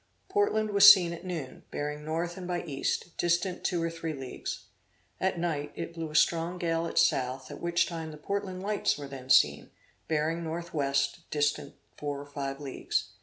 Portland was seen at noon, bearing north and by east, distant two or three leagues. At night, it blew a strong gale at south, at which time the Portland lights were then seen, bearing north west, distant four or five leagues.